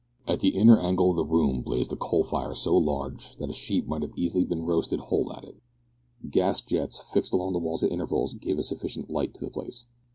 At the inner angle of the room blazed a coal fire so large that a sheep might have been easily roasted whole at it. Gas jets, fixed along the walls at intervals, gave a sufficient light to the place.